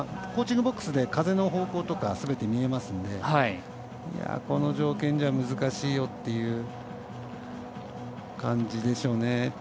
コーチングボックスで風の方向とかすべて見えますのでこの条件じゃ難しいよという感じでしょうね。